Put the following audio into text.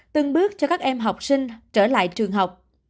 từng bước cho các em học sinh trở lại trường học